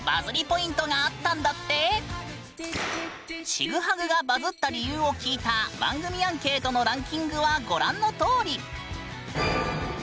「チグハグ」がバズった理由を聞いた番組アンケートのランキングはご覧のとおり！